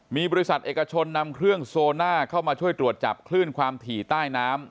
มีบริษัทเอกชนนำเครื่องโซน่าเข้ามาช่วยตรวจจับคลื่นความถี่ใต้น้ำ